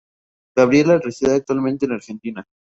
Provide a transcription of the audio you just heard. Gabriela reside actualmente en Argentina.